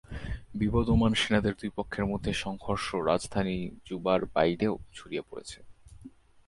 বিবদমান সেনাদের দুই পক্ষের মধ্যে সংঘর্ষ রাজধানী জুবার বাইরেও ছড়িয়ে পড়েছে।